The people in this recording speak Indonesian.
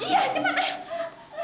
iya cepat ya